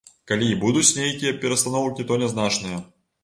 Калі і будуць нейкія перастаноўкі, то нязначныя.